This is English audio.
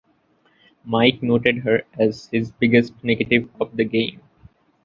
Mike noted her as his biggest negative of the game.